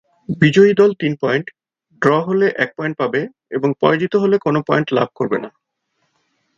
বিজয়ী দল তিন পয়েন্ট, ড্র হলে এক পয়েন্ট পাবে এবং পরাজিত হলে কোন পয়েন্ট লাভ করবে না।